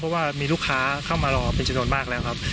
เพราะว่ามีลูกค้าเข้ามารอเป็นจำนวนมากแล้วครับ